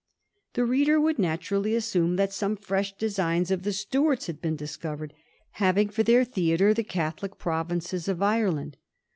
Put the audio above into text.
The reader would natur ally assume that some fresh designs of the Stuarts had been discovered, having for their theatre the Catholic provinces of Ireland.